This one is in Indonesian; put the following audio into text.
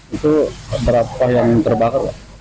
itu berapa yang terbakar